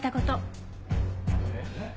えっ？